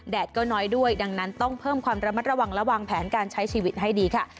ก็น้อยด้วยดังนั้นต้องเพิ่มความระมัดระวังและวางแผนการใช้ชีวิตให้ดีค่ะ